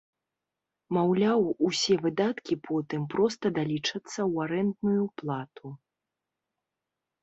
Маўляў, усе выдаткі потым проста далічацца ў арэндную плату.